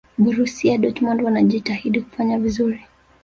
borusia dortmund wanajitahidi kufanya vizuri